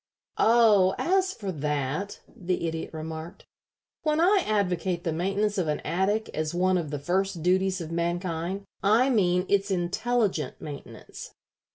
"Oh, as for that," the Idiot remarked, "when I advocate the maintenance of an attic as one of the first duties of mankind, I mean its intelligent maintenance.